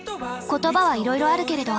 言葉はいろいろあるけれど。